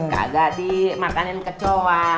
kagak dimakanin kecoa